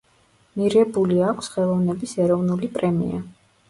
მირებული აქვს ხელოვნების ეროვნული პრემია.